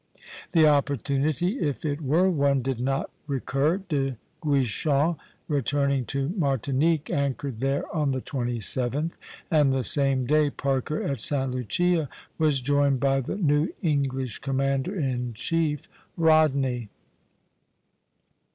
The opportunity, if it were one, did not recur. De Guichen, returning to Martinique, anchored there on the 27th; and the same day Parker at Sta. Lucia was joined by the new English commander in chief, Rodney.